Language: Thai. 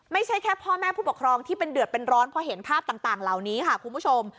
ไม่ใช่แค่พ่อแม่ผู้ปกครองที่เป็นเดือดเป็นร้อนเพราะเห็นภาพต่างเหล่านี้ค่ะคุณผู้ชม